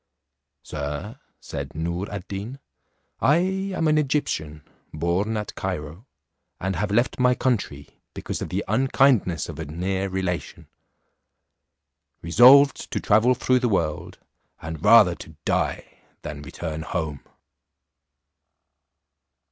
"Sir," said Noor ad Deen, "I am an Egyptian, born at Cairo, and have left my country, because of the unkindness of a near relation, resolved to travel through the world, and rather to die than return home."